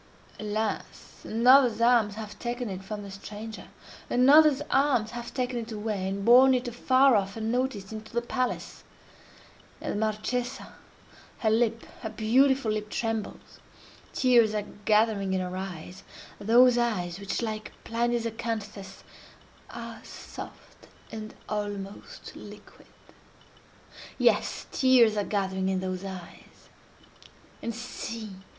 Alas! another's arms have taken it from the stranger—another's arms have taken it away, and borne it afar off, unnoticed, into the palace! And the Marchesa! Her lip—her beautiful lip trembles; tears are gathering in her eyes—those eyes which, like Pliny's acanthus, are "soft and almost liquid." Yes! tears are gathering in those eyes—and see!